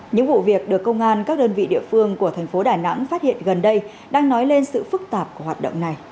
những vụ việc được công an các đơn vị địa phương của thành phố đà nẵng phát hiện gần đây đang nói lên sự phức tạp của hoạt động này